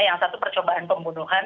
yang satu percobaan pembunuhan